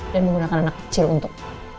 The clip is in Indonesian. dan menggunakan anak kecil untuk